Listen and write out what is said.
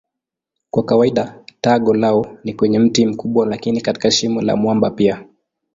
Kwa kawaida tago lao ni kwenye mti mkubwa lakini katika shimo la mwamba pia.